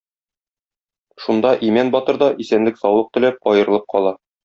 Шунда Имән батыр да, исәнлек-саулык теләп, аерылып кала.